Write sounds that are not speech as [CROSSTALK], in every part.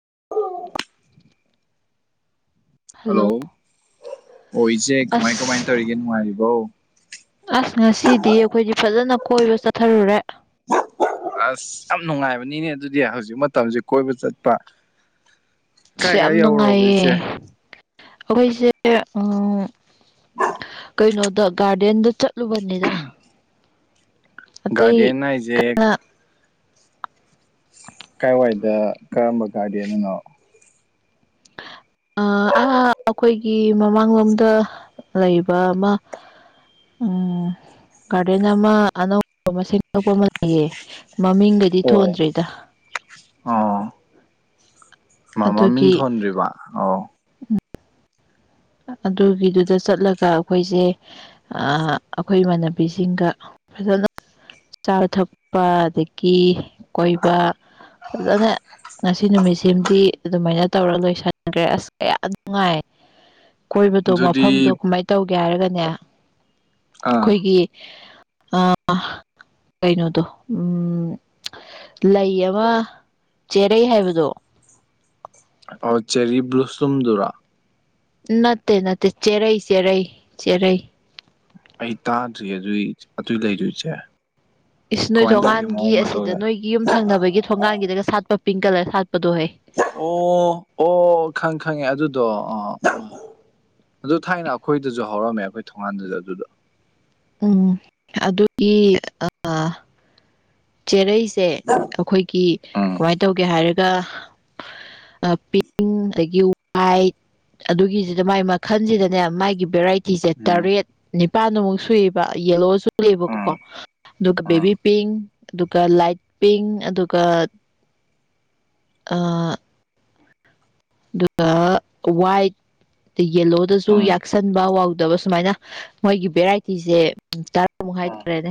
[INAUDIBLE] hello ꯑꯣ ꯏꯆꯦ ꯀꯃꯥꯏ ꯀꯃꯥꯏ ꯑꯁ ꯇꯧꯔꯤꯒꯦ ꯅꯨꯡꯉꯥꯏꯔꯤꯕꯣ ꯑꯁ ꯉꯁꯤꯗꯤ ꯑꯩꯈꯣꯏꯗꯤ ꯐꯖꯅ ꯀꯣꯏꯕ ꯆꯠꯊꯔꯨꯔꯦ ꯑꯁ ꯌꯥꯝ ꯅꯨꯡꯉꯥꯏꯕꯅꯤꯅꯦ ꯑꯗꯨꯗꯤ ꯍꯧꯖꯤꯛ ꯃꯇꯝꯁꯦ ꯀꯣꯏꯕ ꯆꯠꯄ ꯁꯦ ꯀꯥꯏ ꯀꯥꯏ ꯌꯥꯝ ꯌꯧꯔꯨꯔꯕ ꯅꯨꯡꯉꯥꯏꯌꯦ ꯏꯆꯦ ꯑꯩꯈꯣꯏꯁꯦ ꯀꯩꯅꯣꯗ ꯒꯥꯔꯗꯦꯟꯗ ꯆꯠꯂꯨꯕꯅꯤꯗ ꯑꯇꯩ ꯒꯥꯔꯗꯦꯟ ꯍꯥꯏꯖꯦ ꯑꯥ ꯀꯥꯏꯋꯥꯏꯗ ꯀꯔꯝꯕ ꯒꯥꯔꯗꯦꯟ ꯗꯅꯣ ꯑꯥ ꯑꯥꯥꯥ ꯑꯩꯈꯣꯏꯒꯤ ꯃꯃꯥꯡꯂꯣꯝꯗ ꯂꯩꯕ ꯑꯃ ꯑꯥꯝ ꯒꯥꯔꯗꯦꯟ ꯑꯃ ꯑꯅꯧꯕ ꯑꯃꯗꯣꯛꯄ ꯑꯃꯅꯌꯦ ꯃꯃꯤꯡꯒꯗꯤ ꯑꯣ ꯊꯣꯟꯗ꯭ꯔꯤꯗ ꯃ ꯃꯥ ꯃꯤꯡ ꯑꯗꯨꯒꯤ ꯊꯣꯟꯗ꯭ꯔꯤꯕꫭ ꯑꫭ ꯑꯗꯨꯒꯤꯗꯨꯗ ꯆꯠꯂꯒ ꯑꯩꯈꯣꯏꯁꯦ ꯑꯩꯈꯣꯏ ꯏꯃꯥꯟꯅꯕꯤꯁꯤꯡꯒ ꯐꯖꯅ ꯆꯥꯕ ꯊꯛꯄ ꯑꯗꯒꯤ ꯀꯣꯏꯕ ꯐꯖꯅ ꯉꯁꯤ ꯅꯨꯃꯤꯠꯁꯤꯃꯗꯤ ꯑꯗꯨꯃꯥꯏꯅ ꯇꯧꯔ ꯂꯣꯏꯁꯟꯈ꯭ꯔꯦ ꯑꯁ ꯀꯌꯥ ꯅꯨꯡꯉꯥꯏ ꯀꯣꯏꯕꯗꯣ ꯃꯐꯝꯗꯣ ꯑꯗꯨꯗꯤ ꯀꯃꯥꯏꯅ ꯇꯧꯒꯦ ꯍꯥꯏꯔꯒꯅꯦ ꯑꯥ ꯑꯩꯈꯣꯏꯒꯤ ꯑ ꯀꯩꯅꯣꯗꯣ ꯎꯝ ꯂꯩ ꯑꯃ ꯆꯦꯔꯩ ꯍꯥꯏꯕꯗꯣ ꯑꯣ ꯆꯦꯔꯤ ꯕ꯭ꯂꯨꯁꯇꯨꯗꯨꯔꯥ ꯅꯠꯇꯦ ꯅꯠꯇꯦ ꯆꯦꯔꯩ ꯆꯦꯔꯩ ꯆꯦꯔꯩ ꯑꯩ ꯇꯥꯗ꯭ꯔꯤ ꯑꯗꯨꯏ ꯑꯗꯨꯏ ꯂꯩꯗꯣꯏꯁꯦ ꯏꯁ ꯅꯣꯏ ꯊꯣꯡꯒꯥꯟꯒꯤ ꯑꯁꯤꯗ ꯃꯇꯧꯁꯦ ꯅꯣꯏꯒꯤ ꯌꯨꯝ ꯊꯪꯅꯕꯒꯤ ꯊꯣꯡꯒꯥꯟꯒꯤꯗꯒ ꯁꯥꯠꯄ ꯄꯤꯡ ꯀꯂꯔ ꯁꯥꯠꯄꯗꯣ ꯍꯩ ꯑꯣ ꯑꯣ ꯈꯪ ꯈꯪꯉꯦ ꯑꯗꯨꯗꯣ ꯑ ꯑꯣ ꯑꯗꯣ ꯊꯥꯏꯅ ꯑꯩꯈꯣꯏꯗꯁꯨ ꯍꯧꯔꯝꯃꯦ ꯑꯩꯈꯣꯏ ꯊꯣꯡꯒꯜꯗꯁꯨ ꯑꯗꯨꯗ ꯎꯝ ꯑꯗꯨꯒꯤ ꯑꯥ ꯆꯦꯔꯩ ꯁꯦ ꯑꯩꯈꯣꯏꯒꯤ ꯎꯝ ꯀꯃꯥꯏꯅ ꯇꯧꯒꯦ ꯍꯥꯏꯔꯒ ꯄꯤꯡ ꯑꯗꯒꯤ ꯋꯥꯏꯠ ꯑꯗꯨꯒꯤꯁꯤꯗ ꯃꯥꯏ ꯃꯈꯜꯁꯤꯗꯅꯦ ꯃꯥꯥꯏꯒꯤ ꯚꯦꯔꯥꯏꯇꯤ ꯀꯆꯔꯠ ꯎꯝ ꯇꯔꯦꯠ ꯅꯤꯄꯥꯜꯃꯨꯛ ꯁꯨꯏꯑꯕ ꯌꯦꯜꯂꯣ ꯁꯨ ꯎꯝ UNINTELLIGIBLE ꯑꯗꯨꯒ ꯕꯦꯕꯤ ꯎꯝ ꯄꯤꯡ ꯑꯗꯨꯒ ꯂꯥꯏꯠ ꯄꯤꯡ ꯑꯗꯨꯒ ꯑꯥ ꯑꯗꯨꯒ ꯋꯥꯏꯠ ꯌꯦꯂꯣꯗꯁꯨ ꯎꯝ ꯌꯥꯛꯁꯟꯕ ꯋꯥꯎꯗꯕ ꯁꯨꯃꯥꯏꯅ ꯃꯣꯏꯒꯤ ꯚꯦꯔꯥꯏꯇꯤꯁꯦ ꯇꯔꯥꯃꯨꯛ ꯎꯝ ꯍꯥꯏꯇꯥꯔꯦꯅꯦ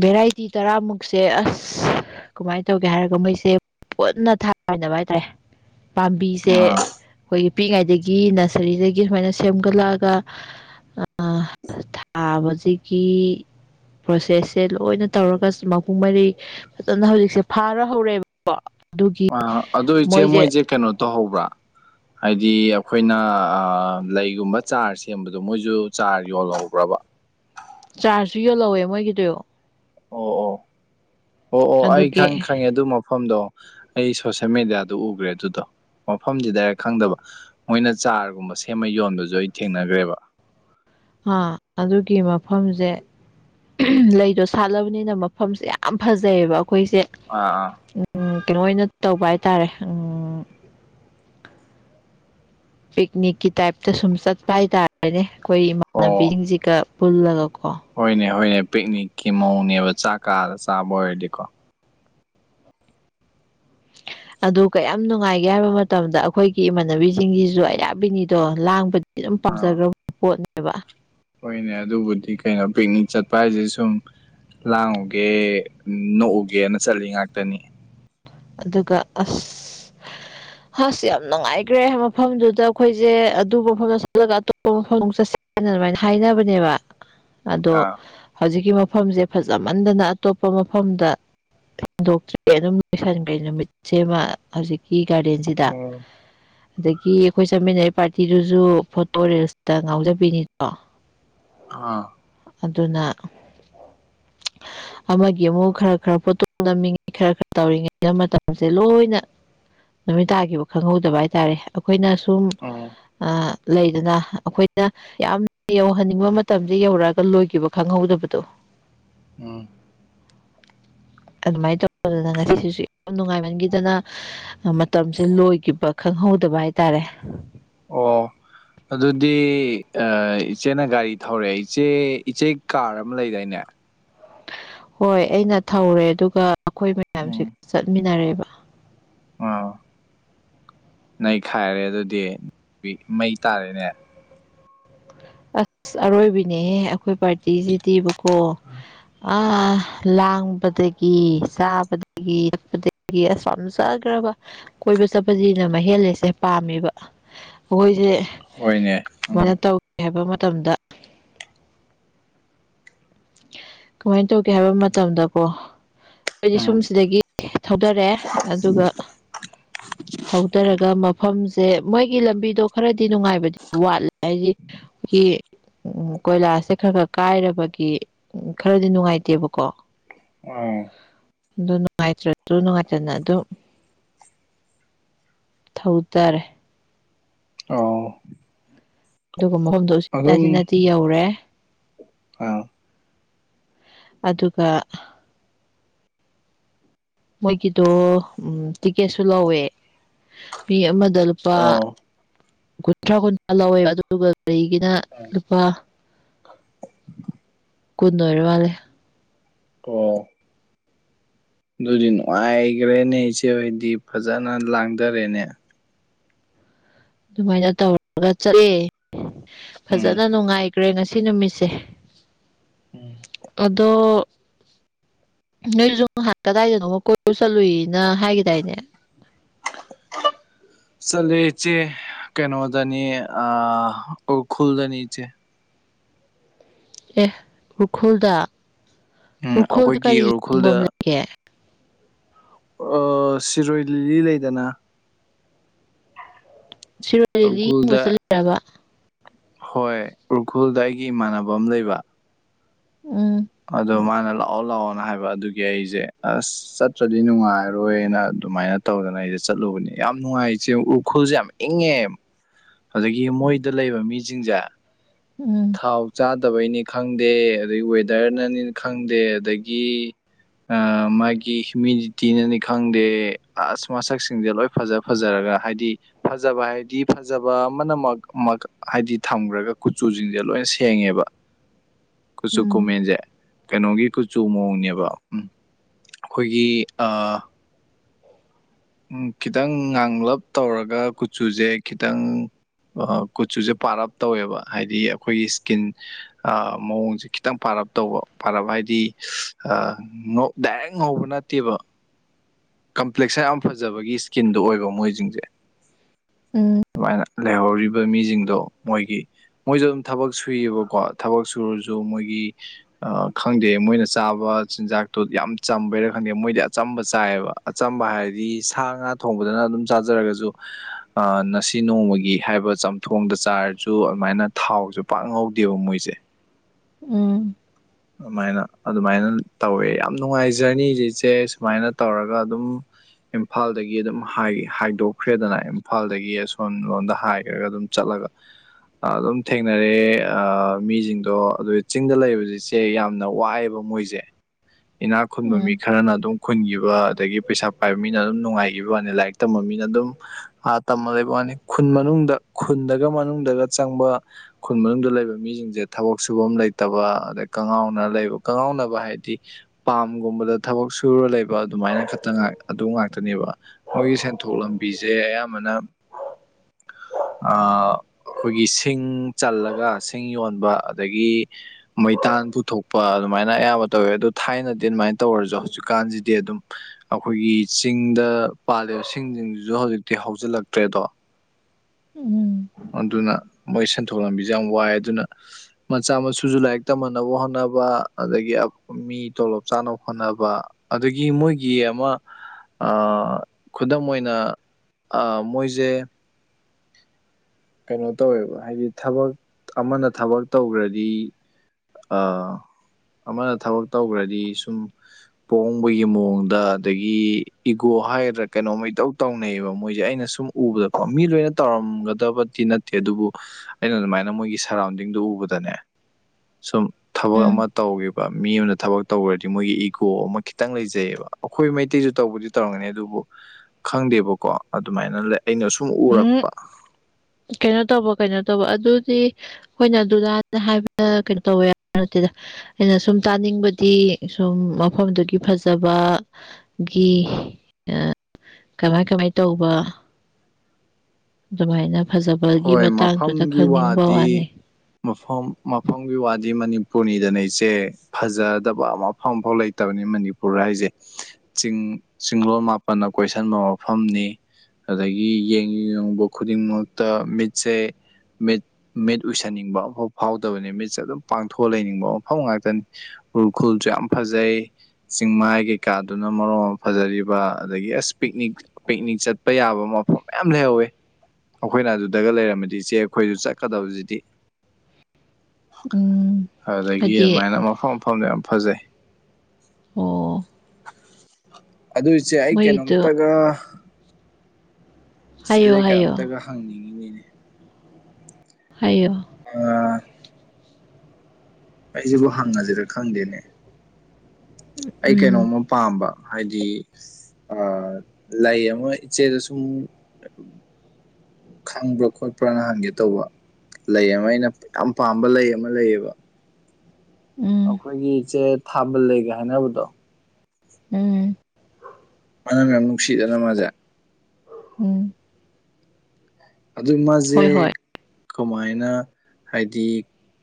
ꯚꯦꯔꯥꯏꯇꯤ ꯇꯔꯥꯃꯨꯛꯁꯦ ꯑꯁ ꯀꯃꯥꯏꯅ ꯇꯧꯒꯦ ꯍꯥꯏꯔꯒ ꯃꯩꯁꯦ ꯄꯨꯟꯅ ꯊꯥꯃꯤꯟꯅꯕ ꯍꯥꯏꯇꯥꯔꯦ ꯄꯥꯝꯕꯤꯁꯦ ꯎꯝ ꯑꯩꯈꯣꯏꯒꯤ ꯄꯤꯛꯏꯉꯩꯗꯒꯤ ꯅꯁꯥꯔꯤꯗꯒꯤ ꯁꯨꯃꯥꯏꯅ ꯁꯦꯝꯒꯠꯂꯥꯛꯑꯒ ꯑꯥ ꯊꯥꯕꯁꯤꯒꯤ ꯄ꯭ꯔꯣꯁꯦꯁꯁꯦ ꯂꯣꯏꯅ ꯇꯧꯔꯒ ꯃꯄꯨꯡ ꯃꯔꯤ ꯐꯖꯅ ꯍꯧꯖꯤꯛꯁꯦ ꯐꯥꯔ ꯍꯧꯔꯦꯕ ꯑ ꯑꯗꯨꯏꯁꯦ ꯃꯣꯏꯁꯦ ꯀꯩꯅꯣ ꯇꯧꯍꯧꯕ꯭ꯔꯥ ꯍꯥꯏꯗꯤ ꯑꯩꯈꯣꯏꯅ ꯂꯩꯒꯨꯝꯕ ꯆꯥꯔ ꯁꯦꯝꯕꯗꯣ ꯃꯣꯏꯁꯨ ꯆꯥꯔ ꯌꯣꯜꯍꯧꯕ꯭ꯔꯕ ꯆꯥꯔꯖꯁꯨ ꯌꯣꯜꯍꯧꯋꯦ ꯃꯣꯏꯒꯤꯗꫭ ꯑꯣ ꯑꯣ ꯑꯣ ꯑꯣ ꯑꯩ ꯑꯗꯨꯒꯤ ꯈꯪ ꯈꯪꯉꯦ ꯑꯗꯨ ꯃꯐꯝꯗꯣ ꯑꯩ ꯁꯣꯁꯦꯜ ꯃꯦꯗꯤꯌꯥꯗ ꯎꯈ꯭ꯔꯦ ꯑꯗꯨꯗꯣ ꯃꯐꯝꯗꯤ ꯗꯥꯏꯔꯦꯛ ꯈꯪꯗꯕ ꯃꯣꯏꯅ ꯆꯥꯔꯒꯨꯝꯕ ꯁꯦꯝꯃ ꯌꯣꯟꯕꯁꯨ ꯑꯩ ꯊꯦꯡꯅꯈ꯭ꯔꯦꯕ ꯑ ꯑꯗꯨꯒꯤ ꯃꯐꯝꯁꯦ ꯂꯩꯗꯣ ꯁꯥꯠꯂꯕꯅꯤꯅ ꯃꯐꯝꯁꯦ ꯌꯥꯝ ꯐꯖꯩꯌꯦꯕ ꯑꯩꯈꯣꯏꯁꯦ ꯑꯥ ꯑꯥ ꯎꯝ ꯀꯩꯅꯣ ꯑꯣꯏꯅ ꯇꯧꯕ ꯍꯥꯏꯇꯥꯔꯦ ꯎꯝ ꯄꯤꯛꯅꯤꯛꯀꯤ ꯇꯥꯏꯞꯇ ꯁꯨꯝ ꯆꯠꯄ ꯍꯥꯏꯇꯥꯔꯦꯅꯦ ꯑꯩꯈꯣꯏ ꯑꯣ ꯏꯃꯥꯟꯅꯕꯤꯁꯤꯡꯁꯤꯒ ꯄꯨꯜꯂꯒꯀꯣ ꯍꯣꯏꯅꯦ ꯍꯣꯏꯅꯦ ꯄꯤꯛꯅꯤꯛꯀꯤ ꯃꯑꯣꯡꯅꯦꯕ ꯆꯥꯛ ꯀꯥꯗ ꯆꯥꯕ ꯑꯣꯏꯔꯗꯤꯀꯣ ꯑꯗꯨ ꯀꯌꯥꯝ ꯅꯨꯡꯉꯥꯏꯒꯦ ꯍꯥꯏꯕ ꯃꯇꯝꯗ ꯑꯩꯈꯣꯏꯒꯤ ꯏꯃꯥꯟꯅꯕꯤꯁꯤꯡꯁꯤꯁꯨ ꯑꯌꯥꯕꯕꯤꯅꯤꯗꯣ ꯂꯥꯡꯕ ꯑꯗꯨ ꯑꯥ ꯄꯥꯝꯖꯈ꯭ꯔꯕ ꯄꯣꯠꯅꯦꯕ ꯍꯣꯏꯅꯦ ꯑꯗꯨꯕꯨꯗꯤ ꯀꯩꯅꯣ ꯄꯤꯛꯅꯤꯛ ꯆꯠꯄ ꯍꯥꯏꯁꯦ ꯁꯨꯝ ꯂꯥꯡꯉꯨꯒꯦ ꯅꯣꯛꯎꯒꯦꯅ ꯆꯠꯂꯤ ꯉꯥꯛꯇꯅꯤ ꯑꯗꯨꯒ ꯑꯁ ꯍꯁ ꯌꯥꯝ ꯅꯨꯡꯉꯥꯏꯈ꯭ꯔꯦ ꯃꯐꯝꯗꯨꯗ ꯑꯩꯈꯣꯏꯁꯦ ꯑꯗꯨ ꯃꯐꯝꯗ ꯆꯠꯂꯒ ꯑꯇꯣꯞꯄ ꯃꯐꯝꯗ ꯆꯠꯁꯦ ꯍꯅ ꯑꯗꯨꯃꯥꯏꯅ ꯍꯥꯏꯅꯕꯅꯦꯕ ꯑꯗꯣ ꯑꯥ ꯍꯧꯖꯤꯛꯀꯤ ꯃꯐꯝꯁꯦ ꯐꯖꯃꯟꯗꯅ ꯑꯇꯣꯞꯄ ꯃꯐꯝꯗ ꯍꯦꯟꯗꯣꯛꯇ꯭ꯔꯤ ꯑꯗꯨꯝ ꯌꯥꯩꯁꯟꯈꯩ ꯅꯨꯃꯤꯠ ꯁꯦꯝꯃ ꯍꯧꯖꯤꯛꯀꯤ ꯒꯥꯔꯗꯦꯟꯁꯤꯗ ꯑꯣ ꯑꯗꯒꯤ ꯑꯩꯈꯣꯏ ꯆꯠꯃꯤꯟꯅꯔꯤ ꯄꯥꯔꯇꯤꯗꯨꯁꯨ ꯐꯣꯇꯣ ꯔꯤꯜꯁꯇ ꯉꯥꯎꯖꯕꯤꯅꯤꯗꯣ ꯑ ꯑꯗꯨꯅ ꯑꯃꯒꯤ ꯑꯃꯨꯛ ꯈꯔ ꯈꯔ ꯄꯣꯇꯣ ꯅꯝꯃꯤꯉꯦ ꯇꯧꯔꯤꯉꯩꯗ ꯃꯇꯝꯁꯦ ꯂꯣꯏꯅ ꯅꯨꯃꯤꯠ ꯇꯥꯈꯤꯕ ꯈꯪꯍꯧꯗꯕ ꯍꯥꯏꯇꯥꯔꯦ ꯑꯩꯈꯣꯏꯅ ꯁꯨꯝ ꯎꯝ ꯂꯩꯗꯅ ꯑꯩꯈꯣꯏꯅ ꯌꯥꯝ ꯌꯧꯍꯟꯅꯤꯡꯕ ꯃꯇꯝꯗ ꯌꯧꯔꯛꯑꯒ ꯂꯣꯏꯈꯤꯕ ꯈꯪꯍꯧꯗꯕꯗꯣ ꯎꯝ ꯑꯗꯨꯃꯥꯏꯅ ꯇꯧꯗꯅ ꯉꯁꯤꯁꯤꯁꯨ ꯌꯥꯝ ꯅꯨꯡꯉꯥꯏꯃꯟꯈꯤꯗꯅ ꯃꯇꯝꯁꯦ ꯂꯣꯏꯈꯤꯕ ꯈꯪꯍꯧꯗꯕ ꯍꯥꯏꯇꯥꯔꯦ ꯑꯣ ꯑꯗꯨꯗꯤ ꯏꯆꯦꯅ ꯒꯥꯔꯤ ꯊꯧꯔꯛꯑꯦ ꯏꯆꯦ ꯏꯆꯦ ꯀꯥꯔ ꯑꯃ ꯂꯩꯗꯥꯏꯅꯦ ꯍꯣꯏ ꯑꯩꯅ ꯊꯧꯔꯦ ꯑꯗꯨꯒ ꯑꯩꯈꯣꯏ ꯎꯝ ꯃꯌꯥꯝꯁꯤꯒ ꯆꯠꯃꯤꯟꯅꯔꯦꯕ ꯑꯥ ꯅꯪꯏ ꯈꯥꯏꯔꯦ ꯑꯗꯨꯗꯤ ꯃꯩ ꯇꯥꯔꯦꯅꯦ ꯑꯁ ꯑꯔꯣꯏꯕꯤꯅꯦꯍ ꯑꯩꯈꯣꯏ ꯄꯥꯔꯇꯤꯁꯤꯗꯤꯕꯀꯣ ꯂꯥꯡꯕꯗꯒꯤ ꯆꯥꯕꯗꯒꯤ ꯊꯥꯛꯄꯗꯒꯤ ꯑꯁ ꯄꯥꯝꯖꯈ꯭ꯔꯕ ꯀꯣꯏꯕ ꯆꯠꯄꯁꯤꯅ ꯃꯍ ꯍꯦꯜꯂꯦꯛꯁꯦ ꯄꯥꯝꯃꯦꯕ ꯑꯩꯈꯣꯏꯁꯦ ꯍꯣꯏꯅꯦ ꯎꯝ ꯀꯦ ꯍꯥꯏꯕ ꯃꯇꯝꯗ ꯀꯃꯥꯏꯅ ꯇꯧꯒꯦ ꯍꯥꯏꯕ ꯃꯇꯝꯗꯀꯣ ꯑꯩꯈꯣꯏꯗꯤ ꯎꯝ ꯁꯨꯝ ꯁꯤꯗꯒꯤ ꯊꯧꯗꯔꯛꯑꯦ ꯑꯗꯨꯒ ꯊꯧꯊꯔꯒ ꯃꯐꯝꯁꯦ ꯃꯣꯏꯒꯤ ꯂꯝꯕꯤꯗꯣ ꯈꯔꯗꯤ ꯅꯨꯡꯉꯥꯏꯕꯗꯤ ꯋꯥꯠꯂꯦ ꯍꯥꯏꯗꯤ ꯑꯩꯈꯣꯏꯒꯤ ꯎ ꯀꯣꯏꯂꯥꯁꯦ ꯈꯔ ꯈꯔ ꯀꯥꯏꯔꯕꯒꯤ ꯈꯔꯗꯤ ꯅꯨꯡꯉꯥꯏꯇꯦꯕꯀꯣ ꯑ ꯑꯗꯨ ꯅꯨꯡꯉꯥꯏꯇ꯭ꯔꯁꯨ ꯅꯨꯡꯉꯥꯏꯇꯅ ꯑꯗꯨꯝ ꯊꯧ ꯇꯔꯦ ꯑꯥꯎ ꯑꯗꯨꯒ ꯃꯐꯝꯗ ꯎꯁꯤꯟꯅꯁꯤꯟꯅꯗꯤ ꯌꯧꯔꯦ ꯑ ꯑꯗꯨꯒ ꯃꯣꯏꯒꯤꯗꯣ ꯎꯝ ꯇꯤꯀꯦꯠꯁꯨ ꯂꯧꯋꯦ ꯃꯤ ꯑꯃꯗ ꯂꯨꯄꯥ ꯑꯣ ꯀꯨꯟꯊ꯭ꯔꯥ ꯀꯨꯟꯊ꯭ꯔꯥ ꯂꯧꯋꯦ ꯑꯗꯨꯒ ꯀꯔꯤꯒꯤꯅ ꯂꯨꯄꯥ [INAUDIBLE] ꯀꯨꯟꯗ ꯑꯣꯏꯔ ꯃꯥꯜꯂꯦ ꯑꯣ ꯑꯗꯨꯗꯤ ꯅꯨꯡꯉꯥꯏꯈ꯭ꯔꯦꯅꯦ ꯏꯆꯦ ꯍꯗꯤ ꯐꯖꯅ ꯂꯥꯡꯊꯔꯦꯅꯦ ꯑꯗꯨꯃꯥꯏꯅ ꯇꯧꯔꯒ ꯆꯠꯂꯦ ꯎꯝ ꯐꯖꯅ ꯅꯨꯡꯉꯥꯏꯈ꯭ꯔꯦ ꯉꯁꯤ ꯅꯨꯃꯤꯠꯁꯦ ꯎꯝ ꯑꯗꯣ ꯅꯣꯏꯁꯨ ꯅꯍꯥꯟ ꯀꯗꯥꯏꯗꯅꯣ ꯀꯣꯏꯔꯨ ꯆꯠꯂꯨꯏꯅ ꯍꯥꯏꯒꯦꯗꯥꯏꯅꯦ [INAUDIBLE] ꯆꯠꯂꯦ ꯏꯆꯦ ꯀꯩꯅꯣꯗꯅꯤ ꯑ ꯎꯈ꯭ꯔꯨꯜꯗꯅꯤ ꯏꯆꯦ ꯑꯦ ꯎꯈ꯭ꯔꯨꯜꯗ ꯎꯝ ꯎꯈ꯭ꯔꯨꯜꯗ ꯀꯔꯤ ꯑꯩꯈꯣꯏꯒꯤ ꯌꯦꯡꯕ ꯑꯃ ꯎꯔꯈꯨꯜꯗ ꯂꯩꯒꯦ ꯁꯤꯔꯣꯏ ꯂꯤꯂꯤ ꯂꯩꯗꯅ ꯁꯤꯔꯣꯏ ꯂꯤꯗꯤ ꯌꯦꯡꯕ ꯎꯔꯈꯨꯜꯗ ꯆꯠꯂꯕ ꯍꯣꯏ ꯎꯈ꯭ꯔꯨꯜꯗ ꯑꯩꯒꯤ ꯏꯃꯥꯟꯅꯕ ꯑꯃ ꯂꯩꯕ ꯎꯝ ꯑꯗꯣ ꯃꯥꯅ ꯂꯥꯛꯑꯣ ꯂꯥꯛꯑꯣꯅ ꯍꯥꯏꯕ ꯑꯗꯨꯒꯤ ꯑꯩꯁꯦ ꯑꯁ ꯆꯠꯇ꯭ꯔꯗꯤ ꯅꯨꯡꯉꯥꯏꯔꯣꯏꯅ ꯑꯗꯨꯃꯥꯏꯅ ꯇꯧꯗꯅ ꯑꯩꯁꯦ ꯆꯠꯂꯨꯕꯅꯦ ꯌꯥꯝ ꯅꯨꯡꯉꯥꯏ ꯏꯆꯦ ꯎꯈ꯭ꯔꯨꯜꯁꯦ ꯌꯥꯝ ꯏꯪꯉꯦ ꯑꯖꯤꯗꯒꯤ ꯃꯣꯏꯗ ꯂꯩꯕ ꯃꯤꯁꯤꯡꯁꯦ ꯎꯝ ꯊꯥꯎ ꯆꯥꯗꯕꯩꯅꯤ ꯈꯪꯗꯦ ꯑꯗꯒꯤ ꯋꯦꯗꯔꯅꯅꯤꯅꯤ ꯈꯪꯗꯦ ꯑꯗꯒꯤ ꯃꯥꯒꯤ ꯍꯤꯨꯃꯤꯗꯤꯇꯤꯅꯅꯤ ꯈꯪꯗꯦ ꯑꯁ ꯃꯁꯛꯁꯤꯡꯁꯦ ꯂꯣꯏ ꯐꯖ ꯐꯖꯔꯒ ꯍꯥꯏꯗꯤ ꯐꯖꯕ ꯍꯥꯏꯗꯤ ꯐꯖꯕ ꯑꯃꯅꯃꯛ ꯍꯥꯏꯗꯤ ꯊꯝꯈ꯭ꯔꯒ ꯀꯨꯆꯨꯁꯤꯡꯁꯦ ꯂꯣꯏ ꯁꯦꯡꯉꯦꯕ ꯀꯨꯆꯨ ꯎꯝ ꯀꯨꯃꯦꯟꯁꯦ ꯀꯩꯅꯣꯒꯤ ꯀꯨꯆꯨ ꯃꯑꯣꯡꯅꯦꯕ ꯎꯝ ꯑꯩꯈꯣꯏꯒꯤ ꯑ ꯎꯝ ꯈꯤꯇꯪ ꯉꯥꯡꯂꯞ ꯇꯧꯔꯒ ꯀꯨꯆꯨꯁꯦ ꯈꯤꯇꯪ ꯀꯨꯆꯨꯁꯦ ꯄꯥꯔꯞ ꯇꯧꯋꯦꯕ ꯍꯥꯏꯗꯤ ꯑꯩꯈꯣꯏꯒꯤ ꯏꯁꯀꯤꯟ ꯃꯑꯣꯡꯁꯦ ꯈꯤꯇꯪ ꯄꯥꯔꯞ ꯇꯧꯕ ꯐꯥꯔꯞ ꯍꯥꯏꯗꯤ ꯉ ꯗꯥꯏꯔꯦꯛ ꯉꯧꯕ ꯅꯠꯇꯦꯕ ꯀꯝꯄ꯭ꯂꯦꯛꯁꯟ ꯌꯥꯝ ꯐꯖꯕꯒꯤ ꯁꯀꯤꯟꯗꯣ ꯑꯣꯏꯕ ꯃꯣꯏꯁꯤꯡꯁꯦ ꯎꯝ ꯑꯗꯨꯃꯥꯏꯅ ꯂꯩꯍꯧꯔꯤꯕ ꯃꯤꯁꯤꯡꯗꯣ ꯃꯣꯏꯒꯤ ꯃꯣꯏꯁꯨ ꯑꯗꯨꯝ ꯊꯕꯛ ꯁꯨꯏꯌꯦꯕꯀꯣ ꯊꯕꯛ ꯁꯨꯔꯁꯨ ꯃꯣꯏꯒꯤ ꯑ ꯈꯪꯗꯦ ꯃꯣꯏꯅ ꯆꯥꯕ ꯆꯤꯟꯖꯥꯛꯇꯨ ꯌꯥꯝ ꯆꯝꯕꯩꯔꯥ ꯈꯪꯗꯦ ꯃꯣꯏꯗꯤ ꯑꯆꯝꯕ ꯆꯥꯏꯌꯦꯕ ꯑꯆꯝꯕ ꯍꯥꯏꯔꯗꯤ ꯁꯥ ꯉꯥ ꯊꯣꯡꯕꯗꯅ ꯑꯗꯨꯝ ꯆꯥꯖꯔꯒꯁꯨ ꯉꯁꯤ ꯅꯣꯡꯃꯒꯤ ꯍꯥꯏꯕ ꯆꯝꯊꯣꯡꯗ ꯆꯥꯔꯁꯨ ꯑꯗꯨꯃꯥꯏꯅ ꯊꯥꯎꯁꯨ ꯄꯥꯛ ꯉꯧꯗꯦꯕ ꯃꯣꯏꯁꯦ ꯎꯝ ꯑꯗꯨꯃꯥꯏꯅ ꯑꯗꯨꯃꯥꯏꯅ ꯇꯧꯋꯦ ꯌꯥꯝ ꯅꯨꯡꯉꯥꯏ ꯖꯔꯅꯤꯁꯤꯆꯦ ꯁꯨꯃꯥꯏꯅ ꯇꯧꯔꯒ ꯑꯗꯨꯝ ꯏꯝꯐꯥꯜꯗꯒꯤ ꯑꯗꯨꯝ ꯍꯥꯏꯗꯣꯛꯈ꯭ꯔꯦꯗꯅ ꯏꯝꯐꯥꯜꯗꯒꯤ ꯑꯁꯣꯝ ꯂꯣꯝꯗ ꯍꯥꯏꯈ꯭ꯔꯒ ꯑꯗꯨꯝ ꯆꯠꯂꯒ ꯑꯗꯨꯝ ꯊꯦꯡꯅꯔꯦ ꯃꯤꯁꯤꯡꯗꯣ ꯑꯗꯨ ꯆꯤꯡꯗ ꯂꯩꯕꯁꯤ ꯁꯦ ꯌꯥꯝꯅ ꯋꯥꯏꯑꯦꯕ ꯃꯣꯏꯁꯦ ꯏꯅꯥꯛ ꯈꯨꯟꯕ ꯃꯤ ꯈꯔꯅ ꯑꯗꯨꯝ ꯈꯨꯟꯒꯤꯕ ꯑꯗꯒꯤ ꯄꯩꯁꯥ ꯄꯥꯏꯕ ꯃꯤꯅ ꯑꯗꯨꯝ ꯅꯨꯡꯉꯥꯏꯒꯤꯈꯤꯕ ꯋꯥꯅꯤ ꯂꯥꯏꯔꯤꯛ ꯇꯝꯕ ꯃꯤꯅ ꯑꯗꯨꯝ ꯑ ꯇꯃ ꯂꯩꯕ ꯋꯥꯅꯤ ꯈꯨꯟ ꯃꯅꯨꯡꯗ ꯈꯨꯟꯗꯒ ꯃꯅꯨꯡꯗꯒ ꯆꯪꯕ ꯈꯨꯟ ꯃꯅꯨꯡꯗ ꯂꯩꯕ ꯃꯤꯁꯤꯡꯁꯦ ꯊꯕꯛ ꯁꯨꯐꯝ ꯂꯩꯇꯕ ꯑꯗ ꯀꯉꯥꯎꯅ ꯂꯩꯕ ꯀꯪꯉꯥꯎꯅꯕ ꯍꯥꯏꯗꯤ ꯄꯥꯝꯒꯨꯝꯕꯗ ꯊꯕꯛ ꯁꯨꯔ ꯂꯩꯕ ꯑꯗꯨꯃꯥꯏꯅ ꯈꯛꯇ ꯑꯗꯨ ꯉꯥꯛꯇꯅꯦꯕ ꯃꯣꯏꯒꯤ ꯁꯦꯟꯊꯣꯛ ꯂꯝꯕꯤꯁꯦ ꯑꯌꯥꯝꯕꯅ ꯑ ꯑꯩꯈꯣꯏꯒꯤ ꯁꯤꯡ ꯆꯜꯂꯒ ꯁꯤꯡ ꯌꯣꯟꯕ ꯑꯗꯒꯤ ꯃꯩꯇꯥꯟ ꯄꯨꯊꯣꯛꯄ ꯑꯗꯨꯃꯥꯏꯅ ꯑꯌꯥꯕ ꯇꯧꯋꯦ ꯑꯗꯣ ꯊꯥꯏꯅꯗꯤ ꯑꯗꯨꯃꯥꯏꯅ ꯇꯧꯔꯁꯨ ꯍꯧꯖꯤꯛꯀꯥꯟꯁꯤꯗꯤ ꯑꯗꯨꯝ ꯑꯩꯈꯣꯏꯒꯤ ꯆꯤꯡꯗ ꯄꯥꯜꯂꯤꯕ ꯁꯤꯡꯁꯤꯡꯁꯤꯁꯨ ꯍꯧꯖꯤꯛꯇꯤ ꯍꯧꯖꯤꯜꯂꯛꯇ꯭ꯔꯦꯗꯣ ꯎꯝ ꯎꯝ ꯑꯗꯨꯅ ꯃꯣꯏ ꯁꯦꯟꯊꯣꯛ ꯂꯝꯕꯤꯁꯦ ꯌꯥꯝ ꯋꯥꯏ ꯑꯗꯨꯅ ꯃꯆꯥ ꯃꯁꯨꯁꯨ ꯂꯥꯏꯔꯤꯛ ꯇꯝꯃ ꯅꯕ ꯍꯣꯠꯅꯕ ꯑꯗꯒꯤ ꯃꯤ ꯇꯣꯂꯣꯞ ꯆꯥꯅꯕ ꯍꯣꯠꯅꯕ ꯑꯗꯒꯤ ꯃꯣꯏꯒꯤ ꯑꯃ ꯑ ꯈꯨꯗꯝ ꯑꯣꯏꯅ ꯑ ꯃꯣꯏꯖꯦ ꯀꯩꯅꯣ ꯇꯧꯋꯦꯕ ꯍꯥꯏꯗꯤ ꯊꯕꯛ ꯑꯃꯅ ꯊꯕꯛ ꯇꯧꯈ꯭ꯔꯗꯤ ꯑ ꯑꯃꯅ ꯊꯕꯛ ꯇꯧꯈ꯭ꯔꯗꯤ ꯁꯨꯝ ꯄꯣꯡꯕꯒꯤ ꯃꯑꯣꯡꯗ ꯑꯗꯒꯤ ꯏꯒꯣ ꯍꯥꯏꯒꯗ꯭ꯔꯥ ꯀꯩꯅꯣꯃꯩꯇꯧ ꯇꯧꯅꯩꯑꯕ ꯃꯣꯏꯁꯦ ꯑꯩꯅ ꯁꯨꯝ ꯎꯕꯗꯀꯣ ꯃꯤ ꯂꯣꯏꯅ ꯇꯧꯔꯝꯒꯗꯕ ꯇꯤ ꯅꯠꯇꯦ ꯑꯗꯨꯕꯨ ꯑꯩꯅ ꯑꯗꯨꯃꯥꯏꯅ ꯃꯣꯏꯒꯤ ꯁꯔꯥꯎꯟꯗꯤꯡꯗꯨ ꯎꯕꯗꯅꯦ ꯁꯨꯝ ꯊꯕꯛ ꯎꯝ ꯑꯃ ꯇꯧꯒꯤꯕ ꯃꯤ ꯑꯃꯅ ꯊꯕꯛ ꯇꯧꯈ꯭ꯔꯗꯤ ꯃꯣꯏꯒꯤ ꯏꯒꯣ ꯑꯃ ꯈꯤꯇꯪ ꯂꯩꯖꯩꯑꯦꯕ ꯑꯩꯈꯣꯏ ꯃꯩꯇꯩꯁꯨ ꯇꯧꯕꯗꯤ ꯇꯧꯔꯝꯒꯅꯤ ꯑꯗꯨꯕꯨ ꯈꯪꯗꯦꯕꯀꯣ ꯑꯗꯨꯃꯥꯏꯅ ꯂꯩ ꯑꯩꯅ ꯁꯨꯝ ꯎꯝ ꯎꯔꯛꯄ ꯀꯩꯅꯣ ꯇꯧꯕ ꯀꯩꯅꯣ ꯇꯧꯕ ꯑꯗꯨꯗꯤ ꯑꯩꯈꯣꯏꯅ ꯑꯗꯨꯗꯥꯅ ꯍꯥꯏꯕ ꯀꯩꯅꯣ ꯇꯧꯕ ꯌꯥ ꯅꯠꯇꯦꯗ ꯑꯩꯅ ꯁꯨꯝ ꯇꯥꯅꯤꯡꯕꯗꯤ ꯁꯨꯝ ꯃꯐꯝꯗꯨꯒꯤ ꯐꯖꯕ ꯒꯤ ꯀꯃꯥꯏ ꯀꯃꯥꯏ ꯇꯧꯕ ꯑꯗꯨꯃꯥꯏꯅ ꯐꯖꯕꯒꯤ ꯍꯣꯏ ꯃꯇꯥꯡꯗꯨꯗ ꯃꯐꯝꯒꯤ ꯈꯪꯅꯤꯡꯕ ꯋꯥꯗꯤ ꯋꯥꯅꯤ ꯃꯐꯝ ꯃꯐꯝꯒꯤ ꯋꯥꯗꯤ ꯃꯅꯤꯄꯨꯔꯅꯤꯗꯅ ꯏꯆꯦ ꯐꯖꯗꯕ ꯃꯐꯝ ꯑꯃꯐꯥꯎ ꯂꯩꯇꯕꯅꯤ ꯄꯨꯔ ꯍꯥꯏꯁꯦ ꯆꯤꯡ ꯆꯤꯡꯡꯂꯣꯟ ꯃꯥꯄꯜꯟꯅ ꯀꯣꯏꯁꯟꯕ ꯃꯐꯝꯅꯤ ꯑꯗꯒꯤ ꯌꯦꯡꯕ ꯈꯨꯗꯤꯡꯃꯛꯇ ꯃꯤꯠꯁꯦ ꯃꯤꯠ ꯃꯤꯠ ꯎꯏꯁꯟꯅꯤꯡꯕ ꯑꯃꯐꯥꯎ ꯐꯥꯎꯗꯕꯅꯤ ꯃꯤꯠꯁꯦ ꯑꯗꯨꯝ ꯄꯥꯡꯊꯣꯛꯑ ꯂꯩꯅꯤꯡꯕ ꯃꯐꯝ ꯉꯥꯛꯇꯅꯤ ꯎꯜꯈꯨꯜꯁꯨ ꯌꯥꯝ ꯐꯖꯩ ꯆꯤꯡꯃꯥꯏ ꯀꯩꯀꯥꯗꯨꯅ ꯃꯔꯣ ꯑꯃ ꯐꯖꯔꯤꯕ ꯑꯗꯒꯤ ꯑꯁ ꯄꯤꯛꯅꯤꯛ ꯄꯤꯛꯅꯤꯛ ꯆꯠꯄ ꯌꯥꯕ ꯃꯐꯝ ꯃꯌꯥꯝ ꯂꯩꯍꯧꯋꯤ ꯑꯩꯈꯣꯏꯅ ꯑꯗꯨꯗꯒ ꯂꯩꯔꯝꯃꯗꯤ ꯏꯆꯦ ꯑꯩꯈꯣꯏꯁꯨ ꯆꯠꯀꯗꯖꯤꯗꯤ ꯎꯝ ꯑꯗꯨꯗꯒꯤ ꯍꯥꯏꯗꯤ ꯑꯗꯨꯃꯥꯏꯅ ꯃꯐꯝ ꯃꯐꯝꯗ ꯌꯥꯝ ꯐꯖꯩ ꯑꯣ ꯑꯗꯣ ꯏꯆꯦ ꯑꯩ ꯃꯣꯏꯒꯤꯗꯣ ꯀꯩꯅꯣꯝꯇꯒ ꯍꯥꯏꯌꯣ ꯏꯆꯦꯗꯩ ꯍꯥꯏꯌꯣ ꯀꯩꯝꯇꯒ ꯍꯪꯅꯤꯡꯉꯤꯅꯤꯅꯦ ꯍꯥꯏꯌꯣ ꯎꯝ ꯑꯩꯁꯤꯕꯨ ꯍꯪꯉꯁꯤꯔ ꯈꯪꯗꯦꯅꯦ ꯑꯩ ꯎꯝ ꯀꯩꯅꯣꯃ ꯄꯥꯝꯕ ꯍꯥꯏꯗꯤ ꯑ ꯂꯩ ꯑꯃ ꯏꯆꯦꯗ ꯁꯨꯝ ꯈꯪꯕ꯭ꯔꯥ ꯈꯣꯠꯄ꯭ꯔꯥꯅ ꯍꯪꯒꯦ ꯇꯧꯕ ꯂꯩ ꯑꯃ ꯑꯩꯅ ꯌꯥꯝ ꯄꯥꯝꯕ ꯂꯩ ꯑꯃ ꯂꯩꯌꯦꯕ ꯎꯝ ꯑꯩꯈꯣꯏꯒꯤ ꯏꯆꯦ ꯊꯥꯕꯜ ꯂꯩꯒꯦ ꯍꯥꯏꯅꯕꯗꯣ ꯎꯝ ꯃꯅꯝ ꯌꯥꯝ ꯅꯨꯡꯁꯤꯗꯅ ꯃꯥꯁꯦ ꯎꯝ ꯑꯗꯨ ꯃꯥꯁꯦ ꯍꯣꯏ ꯍꯣꯏ ꯀꯃꯥꯏꯅ ꯍꯥꯏꯗꯤ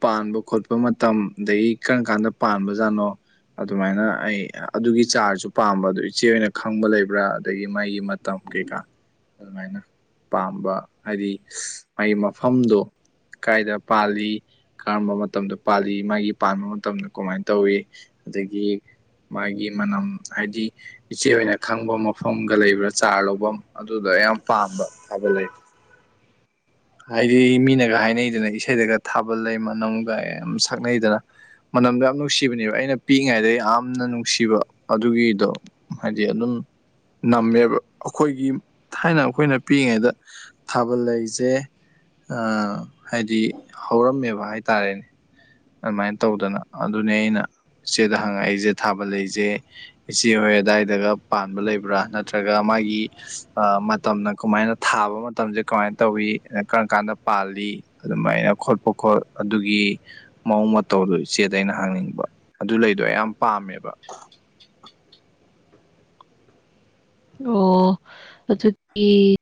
ꯄꯥꯟꯕ ꯈꯣꯠꯄ ꯃꯇꯝ ꯑꯗꯒꯤ ꯀꯔꯝ ꯀꯥꯟꯗ ꯄꯥꯟꯕ ꯖꯥꯠꯅꯣ ꯑꯗꯨꯃꯥꯏꯅ ꯑꯩ ꯑꯗꯨꯒꯤ ꯆꯥꯔꯁꯨ ꯄꯥꯝꯕ ꯑꯗꯨ ꯏꯆꯦ ꯑꯣꯏꯅ ꯈꯪꯕ ꯂꯩꯕ꯭ꯔꯥ ꯑꯗꯒꯤ ꯃꯥꯒꯤ ꯃꯇꯝ ꯀꯩꯀꯥ ꯑꯗꯨꯃꯥꯏꯅ ꯄꯥꯝꯕ ꯍꯥꯏꯗꯤ ꯃꯥꯒꯤ ꯃꯐꯝꯗꯣ ꯀꯥꯏꯗ ꯄꯥꯜꯂꯤ ꯀꯔꯝꯕ ꯃꯇꯝꯗ ꯄꯥꯜꯂꯤ ꯃꯥꯒꯤ ꯄꯥꯟꯕ ꯃꯇꯝꯗ ꯀꯃꯥꯏꯅ ꯇꯧꯏ ꯑꯗꯒꯤ ꯃꯥꯒꯤ ꯃꯅꯝ ꯍꯥꯏꯗꯤ ꯏꯆꯦ ꯑꯣꯏꯅ ꯈꯪꯕ ꯃꯐꯝꯒ ꯂꯩꯕ꯭ꯔꯥ ꯆꯥꯔ ꯂꯐꯝ ꯑꯗꯨꯗꯣ ꯌꯥꯝ ꯄꯥꯝꯕ ꯊꯥꯕꯥꯜ ꯂꯩ ꯍꯥꯏꯗꯤ ꯃꯤꯅꯒ ꯍꯥꯏꯅꯩꯗꯅ ꯏꯁꯩꯗꯒ ꯊꯥꯕꯜ ꯂꯩ ꯃꯅꯝꯒ ꯌꯥꯝ ꯁꯛꯅꯩꯗꯅ ꯃꯅꯝꯗꯣ ꯌꯥꯝ ꯅꯨꯡꯁꯤꯕꯅꯦꯕ ꯑꯩꯅ ꯄꯤꯛꯏꯉꯩꯗ ꯌꯥꯝꯅ ꯅꯨꯡꯁꯤꯕ ꯑꯗꯨꯒꯤꯗꯣ ꯍꯥꯏꯗꯤ ꯑꯗꯨꯝ ꯅꯝꯃꯦꯕ ꯑꯩꯈꯣꯏꯒꯤ ꯊꯥꯏꯅ ꯑꯩꯈꯣꯏꯅ ꯄꯤꯛꯏꯉꯩꯗ ꯊꯥꯕꯜ ꯂꯩꯁꯦ ꯑ ꯍꯥꯏꯗꯤ ꯍꯧꯔꯝꯃꯦꯕ ꯍꯥꯏꯇꯥꯔꯦꯅꯦ ꯑꯗꯨꯃꯥꯏꯅ ꯇꯧꯗꯅ ꯑꯗꯨꯅꯦ ꯑꯩꯅ ꯏꯆꯦꯗ ꯍꯪꯉꯛꯏꯁꯦ ꯊꯥꯕꯜ ꯂꯩꯁꯦ ꯏꯆꯦ ꯍꯣꯏ ꯑꯗꯥꯏꯗꯒ ꯄꯥꯟꯕ ꯂꯩꯕ꯭ꯔꯥ ꯅꯠꯇ꯭ꯔꯒ ꯃꯥꯒꯤ ꯃꯇꯝꯅ ꯀꯃꯥꯏꯅ ꯊꯥꯕ ꯃꯇꯝꯁꯦ ꯀꯃꯥꯏꯅ ꯇꯧꯏꯤ ꯀꯔꯝ ꯀꯥꯟꯗ ꯄꯥꯜꯂꯤ ꯑꯗꯨꯃꯥꯏꯅ ꯈꯣꯠꯄ ꯈꯣꯠ ꯑꯗꯨꯒꯤ ꯃꯥ ꯌꯣꯪ ꯃꯇꯧꯗꯣ ꯏꯆꯦꯗ ꯑꯩꯅ ꯍꯥꯡꯅꯤꯡꯕ ꯑꯗꯨ ꯂꯩꯗꯣ ꯑꯩ ꯌꯥꯝ ꯄꯥꯝꯃꯦꯕ ꯑꯣ ꯑꯗꯨꯗꯤ